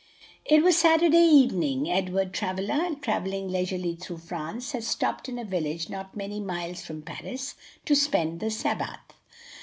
It was Saturday evening. Edward Travilla, travelling leisurely through France, had stopped in a village not many miles from Paris, to spend the Sabbath.